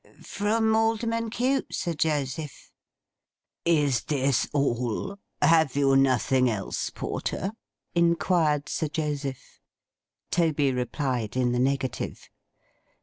'From Alderman Cute, Sir Joseph.' 'Is this all? Have you nothing else, Porter?' inquired Sir Joseph. Toby replied in the negative.